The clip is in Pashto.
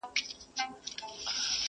دعا کوي خاموشه,